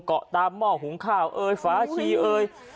เกาะตามหม้อหุงข้าวเอ่ยฝาชีเอ่ย